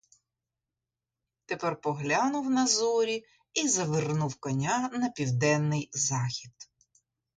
Тепер поглянув на зорі і завернув коня на південний захід.